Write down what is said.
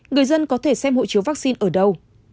người dân có thể xem hộ chiếu vaccine ở đâu